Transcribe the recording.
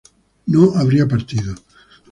no habría partido